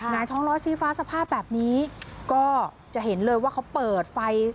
หายท้องล้อชี้ฟ้าสภาพแบบนี้ก็จะเห็นเลยว่าเขาเปิดไฟ